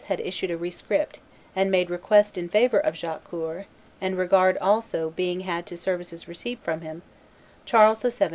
had issued a rescript and made request in favor of Jacques Coeur, and regard also being had to services received from him," Charles VII.